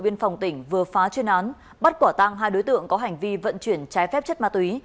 biên phòng tỉnh vừa phá chuyên án bắt quả tăng hai đối tượng có hành vi vận chuyển trái phép chất ma túy